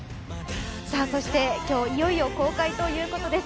そして今日いよいよ公開ということです。